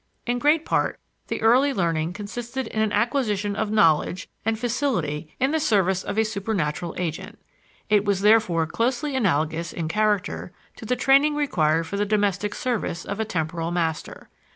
In great part, the early learning consisted in an acquisition of knowledge and facility in the service of a supernatural agent. It was therefore closely analogous in character to the training required for the domestic service of a temporal master.